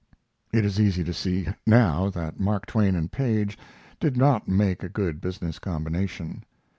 It is easy to see now that Mark Twain and Paige did not make a good business combination.